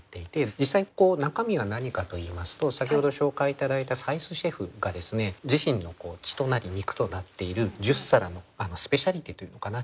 実際中身は何かといいますと先ほど紹介頂いた斉須シェフが自身の血となり肉となっている十皿のスペシャリテと言うのかな？